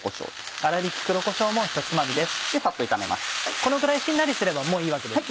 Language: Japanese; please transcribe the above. このぐらいしんなりすればもういいわけですね？